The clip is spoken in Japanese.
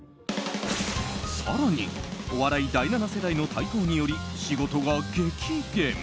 更に、お笑い第７世代の台頭により仕事が激減。